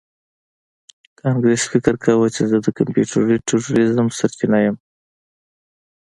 کانګرس فکر کاوه چې زه د کمپیوټري تروریزم سرچینه یم